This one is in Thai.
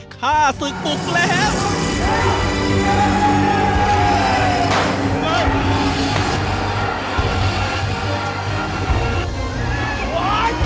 ข้าศึกปุกแล้ว